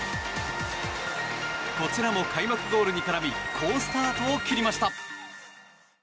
こちらも開幕ゴールに絡み好スタートを切りました。